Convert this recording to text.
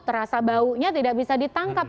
terasa baunya tidak bisa ditangkap